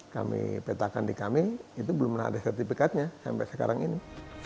kami petakan di kami itu belum ada sertifikatnya sampai sekarang ini